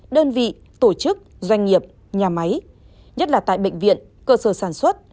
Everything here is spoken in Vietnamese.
đơn vị tổ chức doanh nghiệp nhà máy nhất là tại bệnh viện cơ sở sản xuất